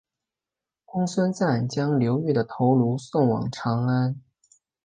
公孙瓒将刘虞的头颅送往长安。